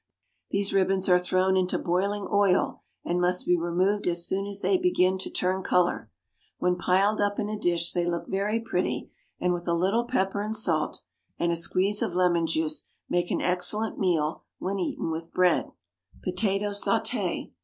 These ribbons are thrown into boiling oil, and must be removed as soon as they begin to turn colour. When piled up in a dish they look very pretty, and with a little pepper and salt, and a squeeze of lemon juice, make an excellent meal when eaten with bread. POTATO SAUTE.